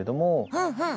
うんうん！